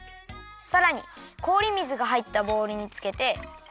さらにこおり水がはいったボウルにつけて。